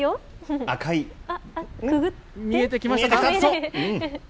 見えてきましたか？